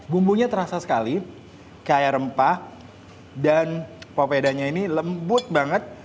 bumbunya terasa sekali kayak rempah dan papedanya ini lembut banget